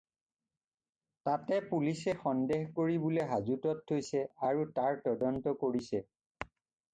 তাতে পুলিচে সন্দেহ কৰি বোলে হাজোতত থৈছে আৰু তাৰ তদন্ত কৰিছে।